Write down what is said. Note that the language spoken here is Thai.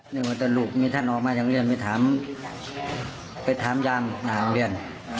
นึกว่าแต่ลูกมีท่านออกมาจากโรงเรียนไปถามไปถามยามหน้าโรงเรียน